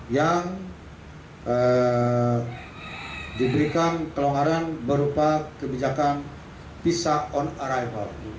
yang diberikan kelonggaran berupa kebijakan visa on arrival